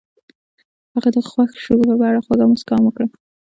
هغې د خوښ شګوفه په اړه خوږه موسکا هم وکړه.